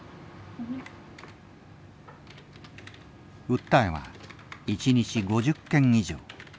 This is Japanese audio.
☎訴えは一日５０件以上。